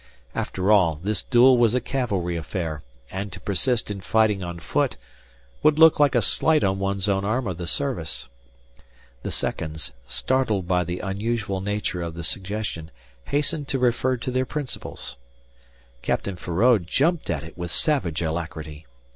After all, this duel was a cavalry affair, and to persist in fighting on foot would look like a slight on one's own arm of the service. The seconds, startled by the unusual nature of the suggestion, hastened to refer to their principals. Captain Feraud jumped at it with savage alacrity.